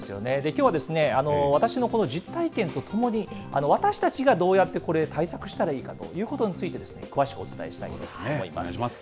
きょうはですね、私のこの実体験とともに、私たちがどうやって、これ、対策したらいいかということについて、詳しくお伝えしたいと思います。